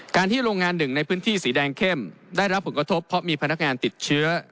ที่โรงงานหนึ่งในพื้นที่สีแดงเข้มได้รับผลกระทบเพราะมีพนักงานติดเชื้อ